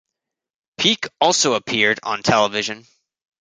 Peek also appeared on television.